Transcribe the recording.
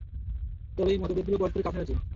তবে এ মতভেদগুলো পরস্পর কাছাকাছি।